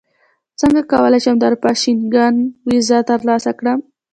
څنګه کولی شم د اروپا شینګن ویزه ترلاسه کړم